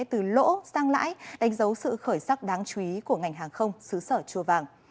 từ lỗ sang lãi đánh dấu sự khởi sắc đáng chú ý của ngành hàng không xứ sở chua vàng